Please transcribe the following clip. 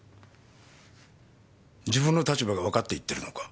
自分の立場がわかって言ってるのか？